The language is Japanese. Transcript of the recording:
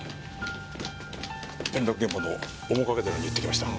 転落現場の面影寺に行ってきました。